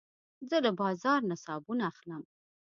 زه له بازار نه صابون اخلم.